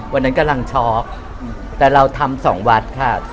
วันนั้นกำลังช็อกแต่เราทำสองวัดค่ะ